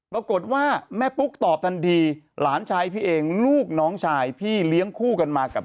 ปรากฏว่าแม่ปุ๊กตอบทันทีหลานชายพี่เองลูกน้องชายพี่เลี้ยงคู่กันมากับ